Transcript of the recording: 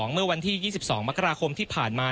เมื่อวันที่๒๒มกราคมที่ผ่านมา